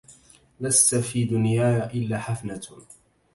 لست في دنياي إلا حفنة